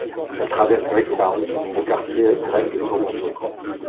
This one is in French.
Elle traverse Greektown, le quartier grec de Toronto.